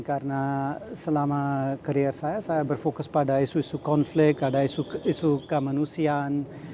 karena selama karier saya saya berfokus pada isu isu konflik ada isu kemanusiaan